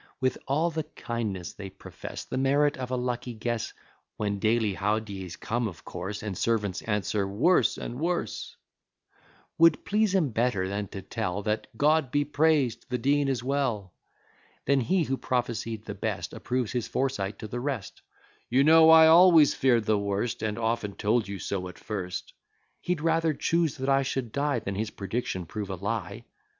With all the kindness they profess, The merit of a lucky guess (When daily how d'ye's come of course, And servants answer, "Worse and worse!") Wou'd please 'em better, than to tell, That, "God be prais'd, the Dean is well." Then he, who prophecy'd the best, Approves his foresight to the rest: "You know I always fear'd the worst, And often told you so at first." He'd rather chuse that I should die, Than his prediction prove a lie.